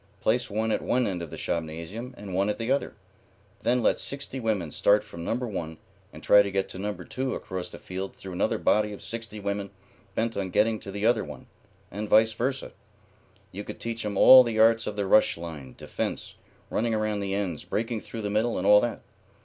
Place one at one end of the shopnasium and one at the other. Then let sixty women start from number one and try to get to number two across the field through another body of sixty women bent on getting to the other one, and vice versa. You could teach 'em all the arts of the rush line, defence, running around the ends, breaking through the middle, and all that.